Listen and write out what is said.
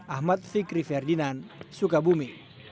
ahmad fikri ferdinand sukabumi